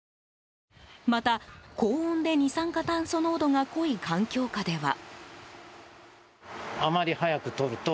また、高温で二酸化炭素濃度が濃い環境下では。